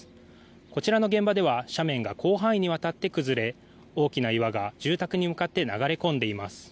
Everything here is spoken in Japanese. こちらの現場では斜面が広範囲にわたって崩れ大きな岩が住宅に向かって流れ込んでいます。